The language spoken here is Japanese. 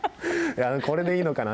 これでいいのかな？